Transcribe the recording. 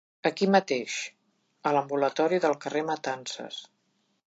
Aquí mateix, a l'ambulatori del carrer Matances.